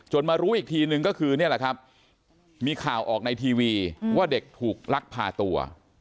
จนมารู้อีกทีหนึ่งก็คือมีข่าวออกในทีวีว่าเด็กถูกลักพาตัว